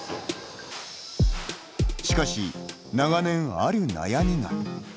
しかし長年、ある悩みが。